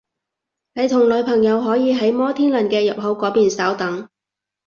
你同女朋友可以喺摩天輪嘅入口嗰邊稍等